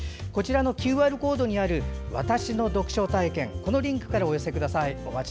ＱＲコードにある「わたしの読書体験」のリンクからお寄せください。